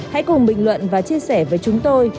hãy cùng bình luận và chia sẻ với chúng tôi